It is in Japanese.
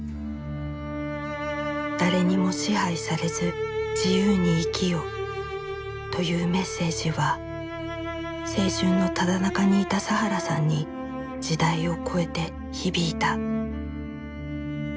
「誰にも支配されず自由に生きよ」というメッセージは青春のただ中にいた佐原さんに時代を超えて響いた。